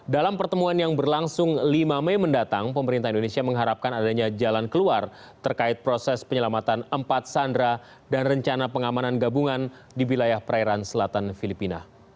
dalam pertemuan yang berlangsung lima mei mendatang pemerintah indonesia mengharapkan adanya jalan keluar terkait proses penyelamatan empat sandra dan rencana pengamanan gabungan di wilayah perairan selatan filipina